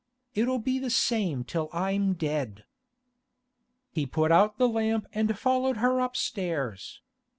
It'll be the same till I'm dead.' He put out the lamp and followed her upstairs.